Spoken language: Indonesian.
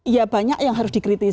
ya banyak yang harus dikritisi